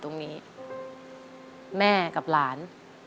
ต้องพาสนบรรย์